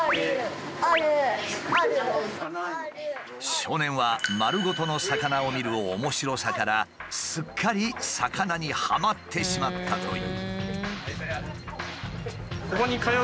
少年は丸ごとの魚を見る面白さからすっかり魚にハマってしまったという。